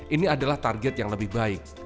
ini adalah target yang lebih baik